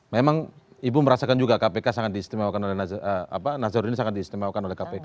memang ibu merasakan juga kpk sangat diistimewakan oleh nazarudin sangat diistimewakan oleh kpk